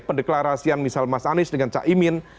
pendeklarasian misal mas anies dengan cak imin